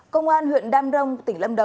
công an huyện đam rông tỉnh lâm đồng